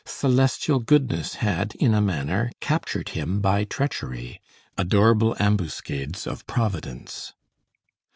Celestial goodness had, in a manner, captured him by treachery. Adorable ambuscades of providence!